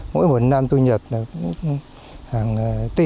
mỗi một năm thu nhập hàng tỷ